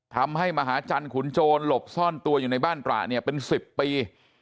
มหาจันทร์ขุนโจรหลบซ่อนตัวอยู่ในบ้านตระเนี่ยเป็น๑๐ปี